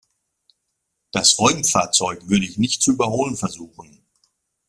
Das Räumfahrzeug würde ich nicht zu überholen versuchen.